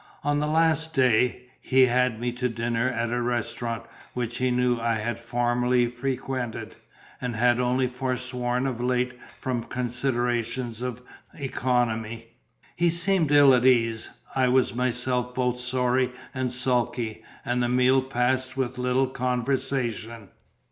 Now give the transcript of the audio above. On the last day, he had me to dinner at a restaurant which he knew I had formerly frequented, and had only forsworn of late from considerations of economy. He seemed ill at ease; I was myself both sorry and sulky; and the meal passed with little conversation.